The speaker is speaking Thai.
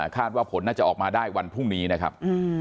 ว่าผลน่าจะออกมาได้วันพรุ่งนี้นะครับ